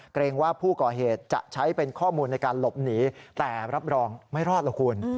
เกรงว่าผู้ก่อเหตุจะใช้เป็นข้อมูลในการหลบหนีแต่รับรองไม่รอดหรอกคุณ